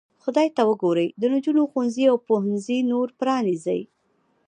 خدای ته وګورئ د نجونو ښوونځي او پوهنځي نور پرانیزئ.